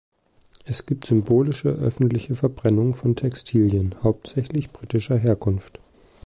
Es gibt symbolische, öffentliche Verbrennungen von Textilien, hauptsächlich britischer Herkunft.